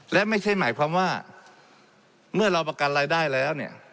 และไม่ใช่หมายความว่าเมื่อเราประกันรายได้แล้วเนี่ย